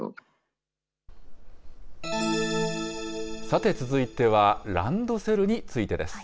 さて、続いてはランドセルについてです。